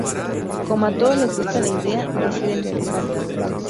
Como a todos les gusta la idea, deciden realizarla.